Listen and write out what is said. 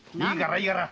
いいから！